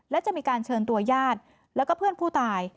และจะมีการเชิญตัวญาติแล้วก็เพื่อนผู้ตาย